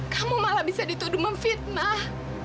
kamu malah bisa dituduh memfitnah